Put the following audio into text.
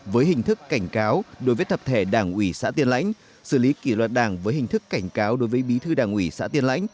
với hình thức cảnh cáo đối với tập thể đảng ủy xã tiên lãnh xử lý kỷ luật đảng với hình thức cảnh cáo đối với bí thư đảng ủy xã tiên lãnh